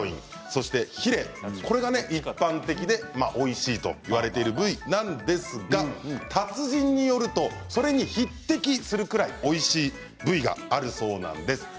そしてヒレこれが一般的でおいしいといわれている部位なんですが達人によるとそれに匹敵するくらい、おいしい部位があるそうなんです。